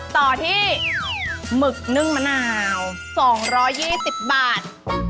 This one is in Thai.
ต่อที่หมึกนึ่งมะนาว๒๒๐บาท